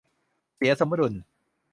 เสียสมดุล